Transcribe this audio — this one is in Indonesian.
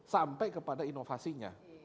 sampai kepada inovasinya